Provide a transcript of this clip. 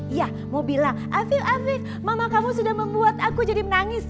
iya mau bilang afil afik mama kamu sudah membuat aku jadi menangis